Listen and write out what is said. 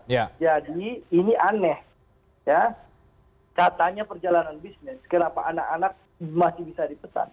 ini aneh ya katanya perjalanan bisnis kenapa anak anak masih bisa dipesan